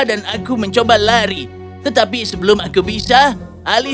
aku mencoba mencoba mencoba mencoba mencoba mencoba melalui suatu tempat yang menyebabkan penyakit